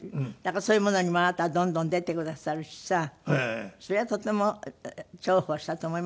そういうものにもあなたはどんどん出てくださるしさそれはとても重宝したと思いますよ